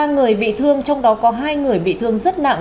ba người bị thương trong đó có hai người bị thương rất nặng